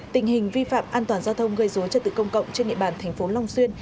tình hình vi phạm an toàn giao thông gây dối cho tự công cộng trên địa bàn tp long xuyên